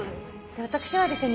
私はですね